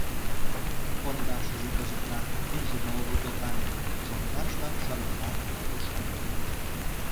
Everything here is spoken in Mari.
Пондашыже кызытрак нӱжымӧ огыл докан, шондашла шыргылак кушкын.